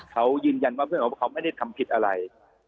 เขายืนยันว่าเขาไม่ได้ทำผิดอะไร